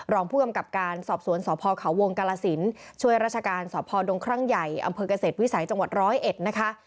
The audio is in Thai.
รองผู้กำกับการสอบสวนสพเขาวงค์กาลสินช่วยราชการสพดงคร่างใหญ่อเกษตรวิสัยจังหวัด๑๐๑นะคะ